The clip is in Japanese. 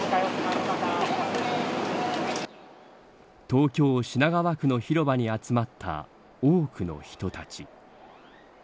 東京、品川区の広場に集まった多くの人たち。